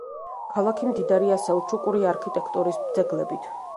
ქალაქი მდიდარია სელჩუკური არქიტექტურის ძეგლებით.